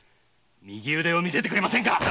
右腕を見せてくれませんか！